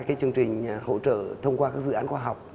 cái chương trình hỗ trợ thông qua các dự án khoa học